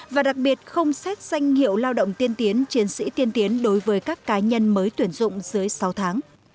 và đặc biệt không xét danh hiệu lao động tiên tiến chiến sĩ tiên tiến đối với các cá nhân mới tuyển dụng dưới sáu tháng